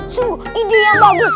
sungguh ide yang bagus